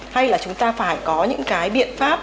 hay là chúng ta phải có những cái biện pháp